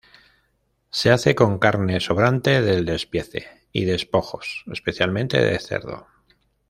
Se hace con carne sobrante del despiece y despojos, especialmente de cerdo.